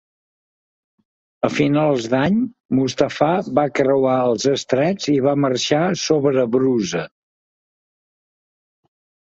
A finals d'any Mustafà va creuar els estrets i va marxar sobre Brusa.